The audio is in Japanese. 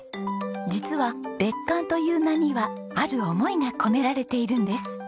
実は別館という名にはある思いが込められているんです。